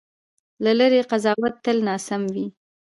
له لرې قضاوت تل ناسم وي.